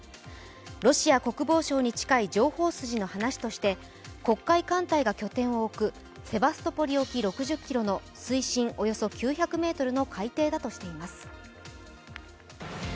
ロシア国防省に近い情報筋の話として、黒海艦隊が拠点を置くセバストポリ沖６０ｋｍの水深およそ９００ｍの海底だとしています。